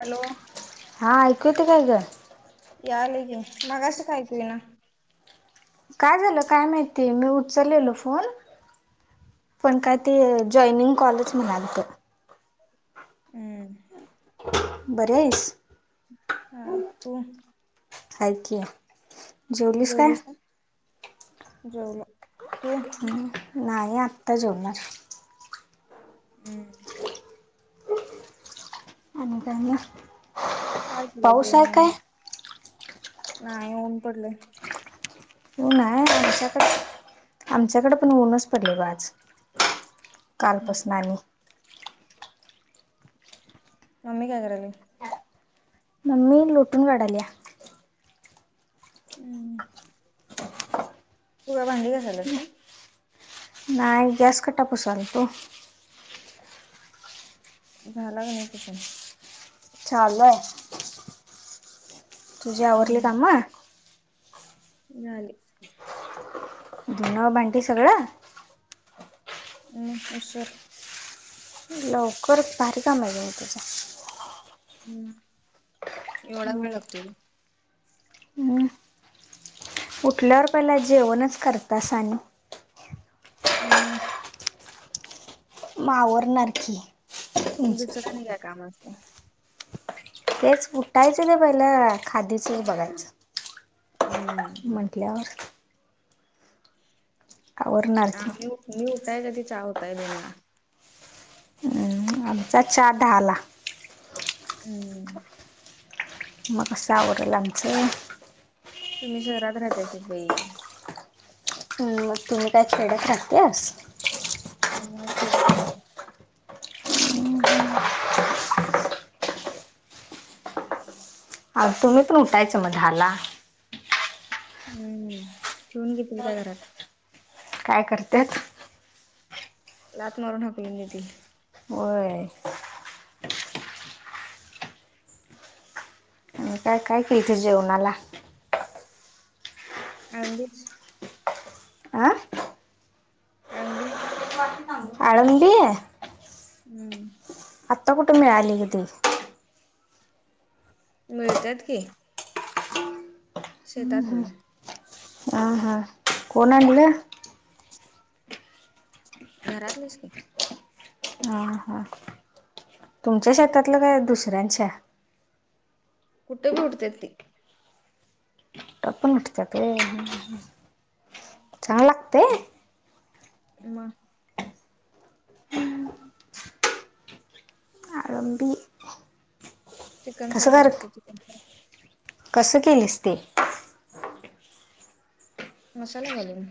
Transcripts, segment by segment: Hello! हा ऐकू येतंय काय ग. याल की मगाशीक ऐकु येईना. काय झालं काय माहितीय, मी उचललेलो फोन. पण काय ते जॉईनिंग कॉलच नाही आलत. हू! बरी हाईस. हाय तू. हाय की. जेवलीस का जेवलो तू? नाही आत्ता जेवणार. ऊ. आणि काय म. काय केल्या [unintelligible] नाही ऊन पडलय. ऊन आहे आमच्याकडे, आमच्याकड पण ऊनच पडलो ग आज. कालपसन हम्म. आनी. मम्मी काय कराली. मम्मी लुटून काढाल्या. हू तू काय भांडी घासालिस काय. नाही गॅस कट्टा पूसालतो. झाला की नाही पुसून. छालंलय. तुझे आवरले काम. झाले. [inaudible] धून, भांडी सगळं. ह उसर लवकर भारी काम आहेे म तुझं हम् हम् हम् उठल्यावर पहिला जेवणच करतासा आणि म म आवरणार की तुमचं दुसऱ्यानी काय काम असत तेच उठायचं ते पहिलं खादीच बघायचं हम्म म्हटल्यावर आवरणार ह की मी, मी उठाय त्या ती चा होताय दोन वेळा हम्म, आमचा चा दहाला हम म कस आवरल आमच तुम्ही शहरात राहतासा बाई ग तुम्ही काय खेड्यात राहात्यास म खेडच हाय की अग तुम्ही पण उठायचं म धाला हम्म ठेवून घेततील काय घरात काय करत्यात लात मारून हाकलून देतील होय काय, काय केलं ती जेवणाला आमबीच आ काय म्हणली आळंबी हम्म आत्ता कुठे मिळाली ग ती मिळत्यात की शेतातून अ हा कोण आणलं घरातलेच की ह, ह, ह तुमच्या शेतातलं काय दुसऱ्यांच्या कुठं बी उठत्यात ती कुठं पण उठत्यात होय चांगल लागतय म आळंबी चिकन कसं सारखं कर लागतय कसं केलीस ते मसाला घालून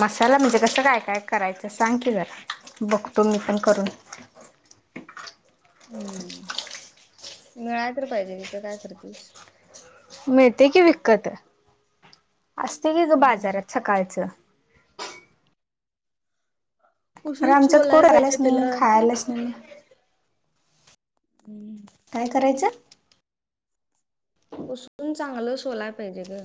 मसाला म्हणजे कसं काय, काय करायचं सांग की जरा बघतो मी पण करून हम्म मिळाय तर पाहिजे इथ काय करतीस मिळतय की विकत असते कि ग हम्म बाजारात सकाळचं अरे पुसून आमच्यात सोलाय पाहिजे कोरालाच नाही. त्याला खायलाच नाही. [inaudible] काय करायचं? उसकून चांगलं सोलाय पाहिजे ग.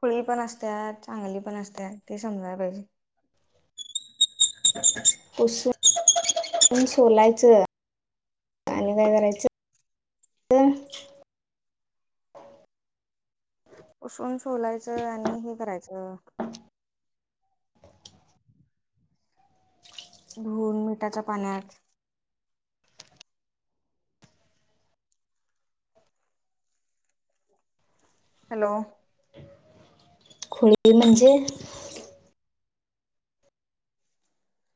खुळी पण असत्या. चांगली पण असत्या. ते समजायला पाहिजे. ह [inaudible] उसून सोलायचं. [inaudible] आणि काय करायचं? हम [unintelligible] उसून सोलायचं आणि हे करायचं. धुन मिठाच्या पाण्यात. हॅलो. खुळी म्हणजे?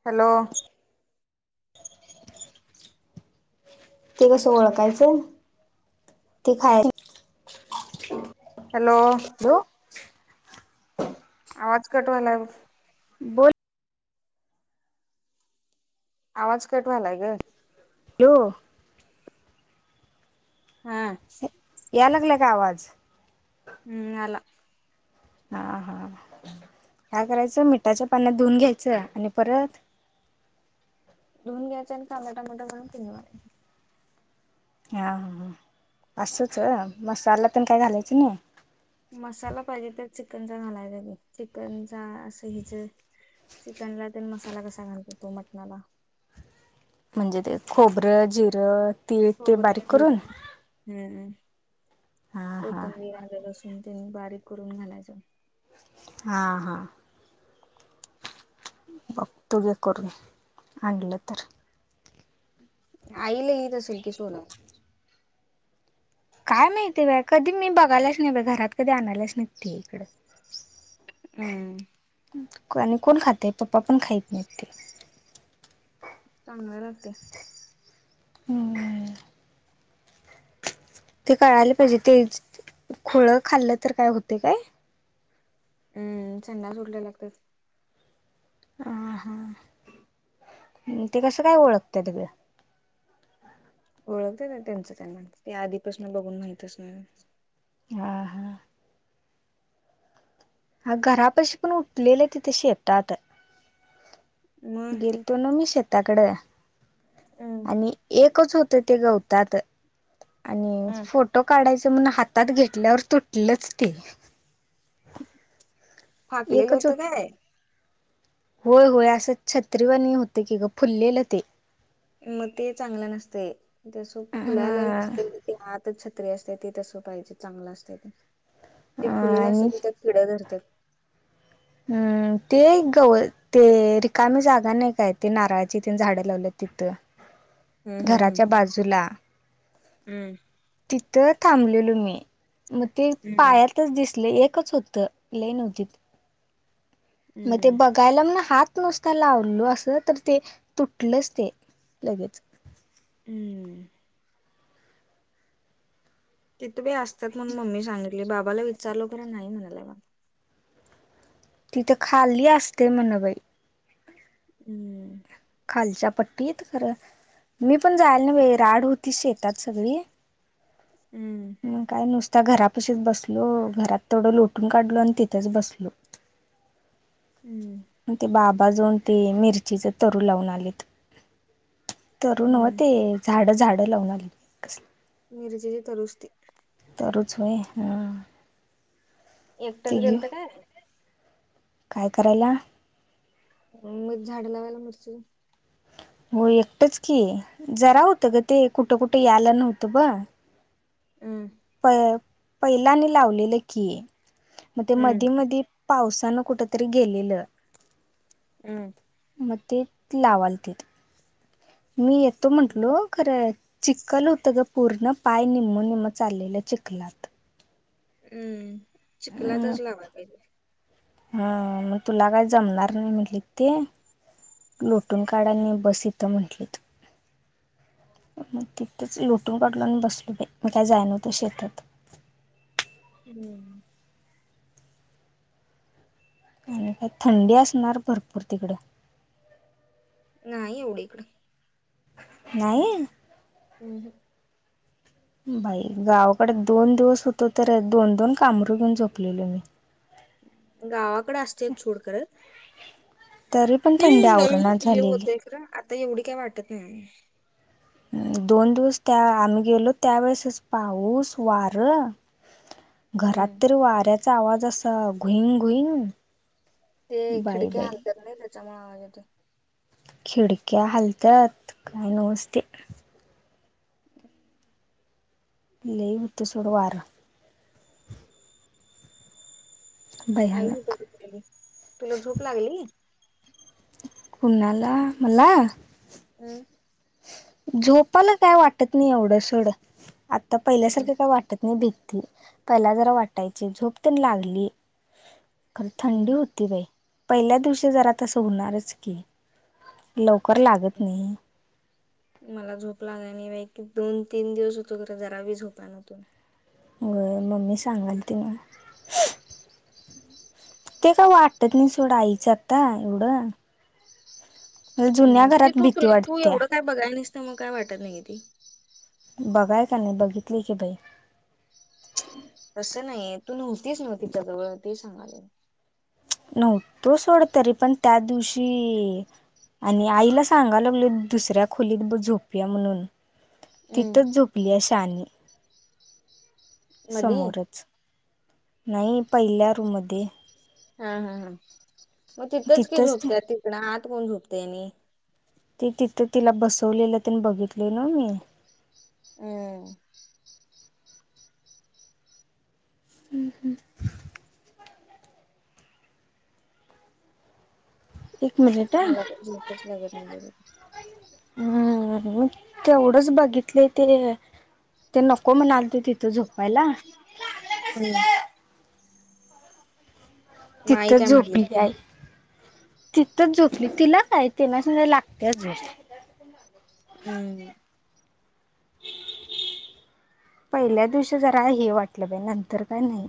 हॅलो. ते कसं ओळखायचं? ते खाय हॅलो. हॅलो. आवाज कटवायलाय बघ. बोल. आवाज कटवालाय ग. हो. हा. या लागलाय का आवाज? हम्म आला. हा हा, काय करायचं? मिठाच्या पाण्यात धुऊन घ्यायचं. आणि परत धुवून घ्यायचं, आणि कांदा टोमॅटो घालून फोडणी मारायची. हां ह ह ह. असच मसाला पण काही घालायचं नाही. मसाला पाहिजे तर चिकनचा घालायला. मी चिकनचा असं हिच चिकनला ते मसाला कसा घालतो? तो मटणाला. म्हणजे ते खोबरं जिरं तीळ ते खोबरं बारीक करून. जिरे हम्म. हा हा कोथंबीर, आले लसून तेन बारीक करून घालायचं. हा हा. बघतो गे करून. आणलं तर? आईले येत असेल की सोलायला. काय माहिती बा? कधी मी बघायलाच नाही बा? घरात कधी आणायलाच नाही ते इकडं. हम्म. आणि कोण खातय. पप्पा पण खाईत नाही ते. चागल राहतेय. हम्म. ते कळायला पाहिजे? ते खोळ खाल्लं तर काय होते काय? हम्म संडा सुटल्या लागतात. अ हा. अन ते कसं काय ओळखत्यात गं? ओळखते ना त्यांच त्यांना. ते आधीपासन बघून माहित असणार. हा हा. हा घरापशी पण उठलेले तिथे शेतात. मग गेलतो ना मी शेताकडे हम्म आणि एकच होत ते गवतात आणि हम्म फोटो काढायच म्हणा हात हातात घेतल्यावर तुटलंच ते. ह एकं चोट होय होय असं छत्रीवणी होते की गं फुललेलं ते. म ते चांगलं नसते तसं फुलाला हा नसते. ते आतच छत्री असते ती तसं पाहिजे चांगलं असत ते अ ते फुलेलं असत आणि त्याच्यात किडे धरत्यात. हम्म ते एक गवं ते रिकामी जागा नाही काय ते नारळाची तेन झाडें लावले तिथं. हम्म हम्म हम्म घराच्या बाजूला हम्म. तिथं थांबलेलो मी म ते हम्म पाया तच दिसलं एकच होतं लेन होती. म हम्म ते हम्म बग कायलानना हात नुसता लावलो असं तर ते तुटलंच ते लगेच. हम्म. तिथं बाई असत्यात म्हणून मम्मी सांगितली बाबाला विचारलो खरं नाही म्हणालाय वा. तिथं खाली असते म्हण बाई. हम्म. खालच्या पट्टी येत खरं मी पण जायल बाई राड होती शेतात सगळी. हम्म. मग काय नुसता घरापशीच बसलो घरात थोडं लोटून काढलो आणि तिथंच बसलो. हम्म. मंग ते बाबा जाऊन ते मिरचीचे तरू लावून आलेत. तरु नवं हम्म ते झाडं झाडं लावून आली कसला. मिरचे तरुच ती. तरूच होय हां. एकट्याच गेलतो काय? काय करायला? मग झाडं लावायला मिरची हो एकटंच की जरा होतं गं ते कुठं कुठे यायला नव्हतं ब. उम्म. प पहिलानी लावलेलं की म ते हम्म मधी-मधी पावसानं कुठं तरी गेलेलं. उम म ते लावालतित ते मी येतो म्हंटलो खरंय. चिक्खलं होतं गं पूर्ण पाय निम्मं-निम्मं चाललेल्या चिखलात. उम्म मग चिकलातच लावाय पाहिजे. हा मग तुला काय जमणार नाही म्हटलेत ते. लोटून काढाने हम्म बस इथं म्हंटली तु. मग तिथंच लोटून काढलं आणि बसलो बाय मग काय जाय नव्हतं शेतात. हम्म. आणि काय थंडी असणार भरपूर तिकडे. नाही एवढं इकडं. नाही. ऊ हू! बाई गावाकडे दोन दिवस होतो तर दोन दोन कामरु घेऊन झोपलेलो मी. गावाकड असते छूड कडत. तरी पण हे थंडी नवीन आवरणा हे झालेली होतय खर, आता एवढी काय वाटत नाही. दोन दिवस त्या आम्ही गेलो त्यावेेळेसच पाऊस वार. हम्म घरात तर वाऱ्याचा आवाज असा घुईंग घुईंग. ते बाई खिडक्या बाई हालत्यात नाही त्याच्यामुळे आवाज येतोय. खिडक्या हलतात काय नोसत. [inaudible] लयी होत सोड वारं. आई होत भयानक [unintelligible] तुला झोप लागली. कुंणाला मला. [inaudible] झोपाला काय वाटत नाही एवढं सोडं, आता हम्म पहिल्यासारखं काय वाटत नाही भी त पहिला जरा वाटायची झोप तेन लागली खरं थंडी हम्म. हो ती बाई पहिल्या दिवशी जरा तसं होणारच की लवकर लागत नही. मला झोप लाग णि वे की दोन तीन दिवस होतो खरा जरावी झोपनातून. हो ग मम्मी सांगाल थी मां. ते काय वाटत नाही सोड आईचं आता एवढं. मला हू जुन्या ते घरात तू भीती तू वाटत्या एवढं काय बघायला निस्त मग काय वाटत नाहीये ते बघाय का नाही बघितलीय की बई. तसं नाही तू नव्हतीच ना तिच्याजवळ ते सांगाल. नव्हतो सोडं तरी पण त्या दिवशी. आणि आईला सांगा लागलो दुसऱ्या खोलीत बघ झोपया म्हणून. तिथंच झोपलीया शानी. मधी समोरच नाही पहिल्या रूमध्ये. हा हा हा मग तिथंच की झोपत्या तिकडं आत कोण झोपतनी. ते तिथं तिला बसवलेलं तेन बघितल ना मी. अं! हू हू! एक मिनिट मांला तर झोपच लागत नाहीे हूं मग तेवढंच बघितलंय तिने. ते नको म्हणालते तिथं झोपायला. हूं! माई तिथं काय म्हटली झोपलेली आहे. तिथंच झोपली तिला काय तिला सगळे लागत्या झोप. ऊ. पहिल्या दिवशी जरा हे वाटलं बाई नंतर काय नाही.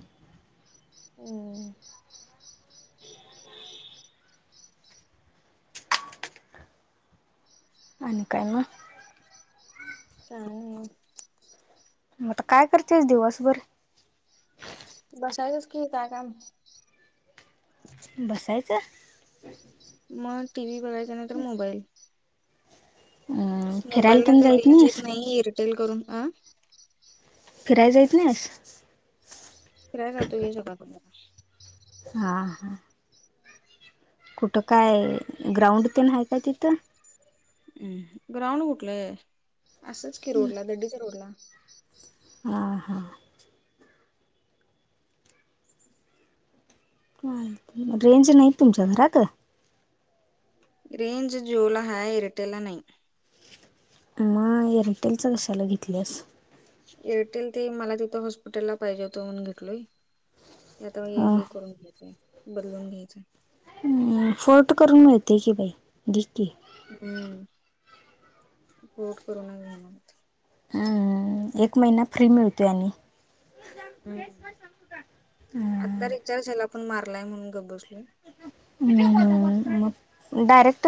[inaudible] हूं! [inaudible] आणि काय मं. सांग. मगता काय करतेस दिवसभर? बसायचच की, काय काम? बसायच. मग टी व्ही बघायच नाही तरर मोबाईल. अ फिरायला मोबाईलला पण का जायत रेंज येत नाहीस नाहीये. एअरटेल करून अ फिराय जायच नाही आस. फीराय जातो हे सगला [unintelligible] हा हा. कुठं काय ग्राउंड तेन हाय काय तिथं? हम्म. ग्राउंड कुठलंय. असंच की रोडला दड्डीच्या रोडला. हा हा. रेंज नाही तुमच्या घरात? रेंज जिओ ला हाय. एरटेल ला नाही. माय एरटेलच कशाला घेतल्यास? एरटेल ते मला तिथं हॉस्पिटल ला पाहिजे होतं. म्हणून घेतलोय. आता हां हे करून घ्यायचंय. दलवून घ्यायचंय. हम्म फोर्ट करून मिळतेय की बाई. घे की. हम्म. पोर्ट करून घेणात. हम्म एक महिना फ्री मिळतोय आणि. हम्म. हम्म आता रिचारज झाला. पण मारलाय म्हणून गप बसलोय. हम्म म डारेक्टच